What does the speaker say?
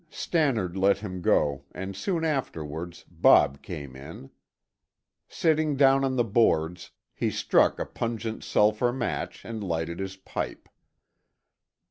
Stannard let him go and soon afterwards Bob came in. Sitting down on the boards, he struck a pungent sulphur match and lighted his pipe.